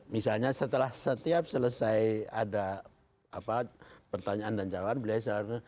misalnya setelah setiap selesai ada pertanyaan dan jawaban